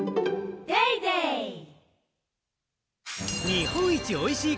日本一美味しい